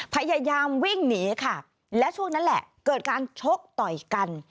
พยายามวิ่งหนีค่ะและช่วงนั้นแหละเกิดการชกต่อยกัน